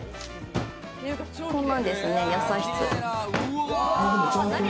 こんなんですね、野菜室。